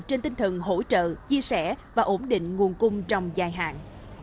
trên tinh thần hỗ trợ chia sẻ và ổn định nguồn cung trong dài hạn